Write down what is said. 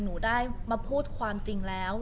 หนูได้มาพูดความจริงแล้ว